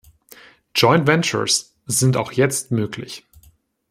Joint ventures sind auch jetzt möglich.